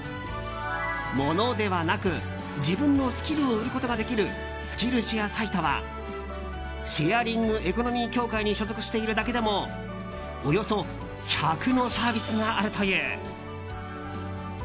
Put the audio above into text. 物ではなく自分のスキルを売ることができるスキルシェアサイトはシェアリングエコノミー協会に所属しているだけでもおよそ１００のサービスがあるという。